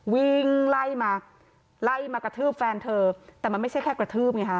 วิ่งไล่มาไล่มากระทืบแฟนเธอแต่มันไม่ใช่แค่กระทืบไงฮะ